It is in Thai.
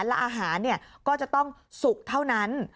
และอาหารก็จะต้องสุกเท่านั้น